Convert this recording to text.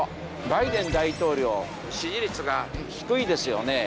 バイデン大統領支持率が低いですよね。